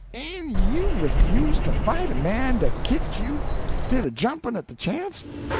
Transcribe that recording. "En you refuse' to fight a man dat kicked you, 'stid o' jumpin' at de chance!